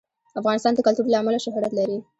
افغانستان د کلتور له امله شهرت لري.